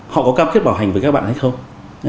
họ có cam kết bảo hành với các bạn hay không